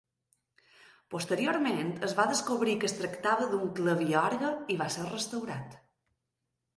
Posteriorment es va descobrir que es tractava d’un claviorgue i va ser restaurat.